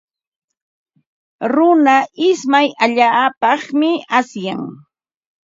Runa ismay allaapaqmi asyan.